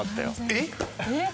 えっ？